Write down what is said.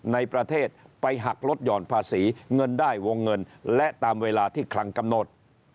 ในประเทศไปหักลดห่อนภาษีเงินได้วงเงินและตามเวลาที่คลังกำหนด